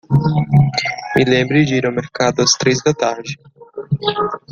Me lembre de ir ao mercado ás três da tarde.